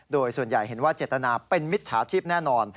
โดยส่วนใหญ่เห็นว่าเจตนาเป็นมิจฉาชีพแน่นอน